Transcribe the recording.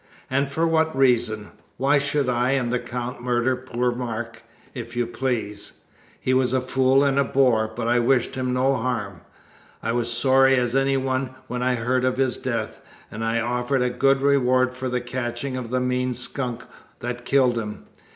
"And for what reason? Why should I and the Count murder poor Mark, if you please? He was a fool and a bore, but I wished him no harm. I was sorry as any one when I heard of his death, and I offered a good reward for the catching of the mean skunk that killed him.